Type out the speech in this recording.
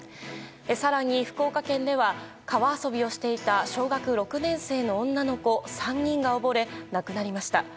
更に、福岡県では川遊びをしていた小学６年生の女の子３人が溺れ亡くなりました。